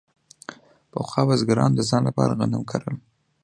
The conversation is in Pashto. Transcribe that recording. پخوا بزګرانو د ځان لپاره غنم کرل.